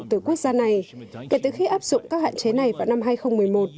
từ quốc gia này kể từ khi áp dụng các hạn chế này vào năm hai nghìn một mươi một